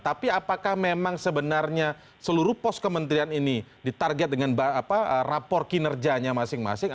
tapi apakah memang sebenarnya seluruh pos kementerian ini ditarget dengan rapor kinerjanya masing masing